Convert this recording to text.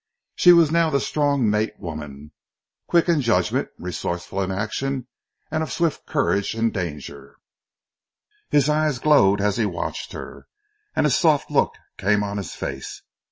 She was now the strong mate woman, quick in judgment, resourceful in action, and of swift courage in danger. His eyes glowed as he watched her, and a soft look came on his face.